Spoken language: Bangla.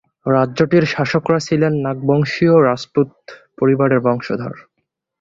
রাজ্যটির শাসকরা ছিলেন নাগবংশীয় রাজপুত পরিবারের বংশধর।